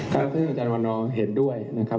คุณทศก่อนครับคุณทศก่อนครับ